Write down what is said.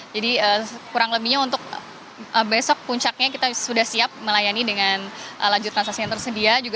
jadi kurang lebihnya untuk besok puncaknya kita sudah siap melayani dengan lajur transaksi yang tersedia